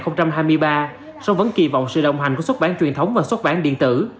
nhưng vẫn kỳ vọng sự đồng hành của xuất bản truyền thống và xuất bản điện tử